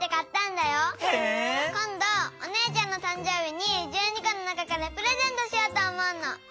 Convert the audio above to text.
こんどおねえちゃんのたんじょうびに１２このなかからプレゼントしようとおもうの。